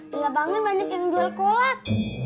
di lapangan banyak yang jual kolat